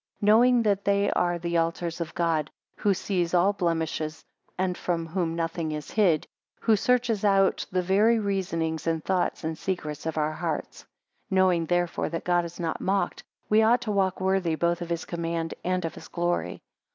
8 Knowing that they are the altars of God, who sees all blemishes, and from whom nothing is hid; who searches out the very reasonings, and thoughts, and secrets of our hearts. 9 Knowing therefore that God is not mocked, we ought to walk worthy both of his command and of his glory.